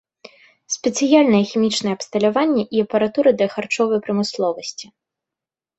Спецыяльнае хімічнае абсталяванне і апаратура для харчовай прамысловасці.